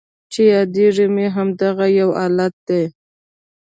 چې یادیږي مې همدغه یو حالت دی